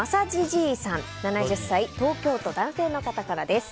７０歳、東京都、男性の方です。